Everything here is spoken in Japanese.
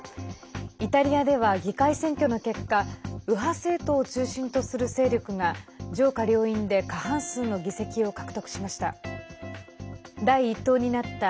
イタリアでは議会選挙の結果右派政党を中心とする勢力が上下両院で過半数の議席を獲得しました。